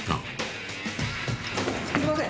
すみません！